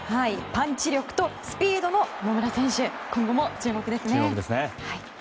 パンチ力とスピードも野村選手、今後も注目ですね。